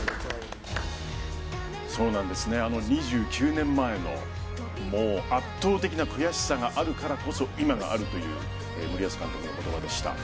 ２９年前のもう、圧倒的な悔しさがあるからこそ、今があるという森保監督の言葉でした。